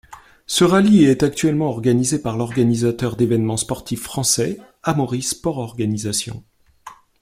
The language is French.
Ce rallye est actuellement organisé par l'organisateur d'événements sportifs français Amaury Sport Organisation.